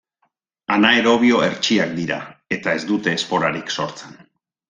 Anaerobio hertsiak dira eta ez dute esporarik sortzen.